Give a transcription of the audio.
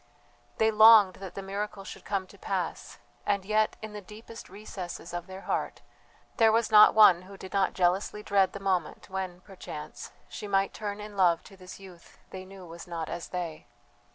They longed that the miracle should come to pass, and yet, in the deepest recesses of their hearts, there was not one who did not jealously dread the moment when, perchance, she might turn in love to this youth they knew was not as they.